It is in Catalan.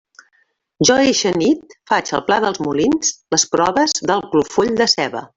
Jo eixa nit faig al pla dels Molins les proves del clofoll de ceba.